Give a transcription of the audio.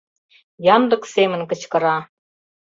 Янлык семын кычкыра